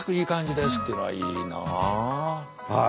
はい。